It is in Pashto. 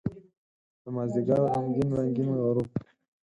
دمازدیګر غمګین رنګین غروب